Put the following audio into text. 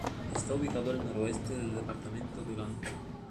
Está ubicado el noroeste del departamento de Olancho.